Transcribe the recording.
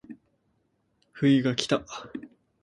冬がきた